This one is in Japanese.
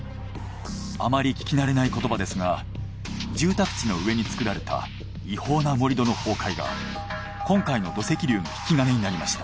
あまり聞き慣れない言葉ですが住宅地の上に作られた違法な盛り土の崩壊が今回の土石流の引き金になりました。